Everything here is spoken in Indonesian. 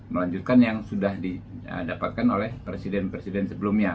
melanjutkan yang sudah didapatkan oleh presiden presiden sebelumnya